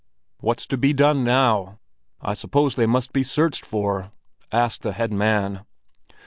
"What's to be done now? I suppose they must be searched for?" asked the head man.